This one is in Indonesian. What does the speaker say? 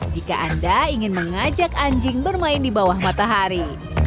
jika anda ingin mengajak anjing bermain di bawah matahari